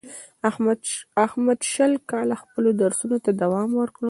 احمد شل کاله خپلو درسونو ته دوام ورکړ.